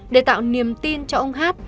để tạo niềm tin cho ông hát